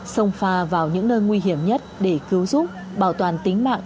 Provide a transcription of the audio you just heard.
sông pha vào những nơi nguy hiểm nhất để cứu giúp bảo toàn tính mạng